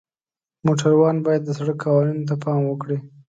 موټروان باید د سړک قوانینو ته پام وکړي.